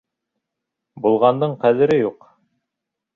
БУЛҒАНДЫҢ ҠӘҘЕРЕ ЮҠ